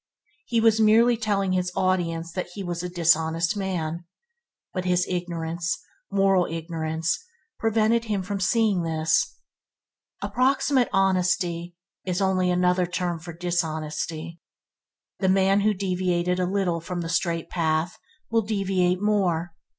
He was merely telling his audience that he was a dishonest man, but his ignorance, moral ignorance, prevented him from seeing this. Approximate honesty is only another term for dishonesty. The man who deviated a little from the straight path, will deviate more.